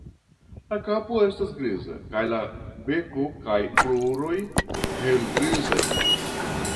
La kapo estas griza kaj la beko kaj kruroj helgrizaj.